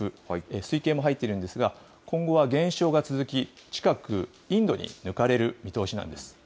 推計も入っているのですが、今後は減少が続き、近く、インドに抜かれる見通しなんです。